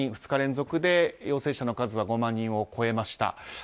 ２日連続で陽性者の数が５万人を超えました。